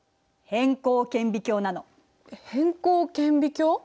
偏光顕微鏡？